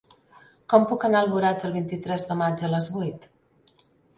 Com puc anar a Alboraig el vint-i-tres de maig a les vuit?